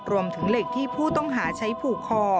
รวมถึงเหล็กที่ผู้ต้องหาใช้ผูกคอ